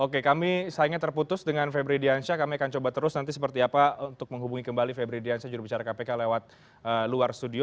oke kami sayangnya terputus dengan febri diansyah kami akan coba terus nanti seperti apa untuk menghubungi kembali febri diansyah jurubicara kpk lewat luar studio